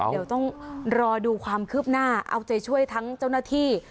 เดี๋ยวต้องรอดูความคืบหน้าเอาใจช่วยทั้งเจ้าหน้าที่